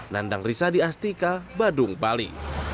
nandang risa di astika badung bali